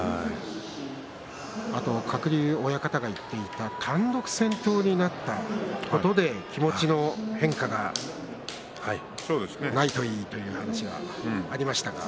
あと、鶴竜親方が言っていた単独先頭になったことで気持ちの変化がないといいという話がありましたが。